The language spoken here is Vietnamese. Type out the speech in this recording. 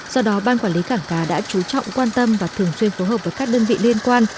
do đó ban quản lý cảng cá đã chú trọng quan tâm và thường xuyên phối hợp với các đơn vị liên quan